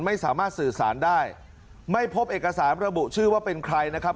ไม่สามารถสื่อสารได้ไม่พบเอกสารระบุชื่อว่าเป็นใครนะครับ